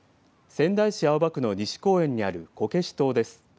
仙台市青葉区の西公園にあるこけし塔です。